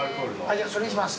じゃあそれにします。